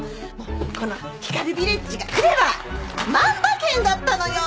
このヒカルヴィレッジがくれば万馬券だったのよ！